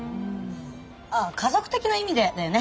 あっ家族的な意味でだよね？